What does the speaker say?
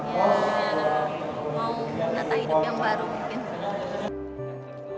ya mau menata hidup yang baru mungkin